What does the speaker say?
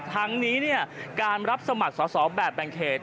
ทั้งนี้การรับสมัครสอบแบบแบ่งเขต